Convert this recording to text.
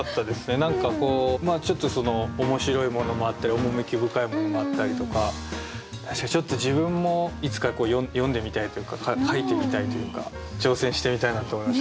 何かこうちょっと面白いものもあったり趣深いものもあったりとかちょっと自分もいつか詠んでみたいというか書いてみたいというか挑戦してみたいなと思いました。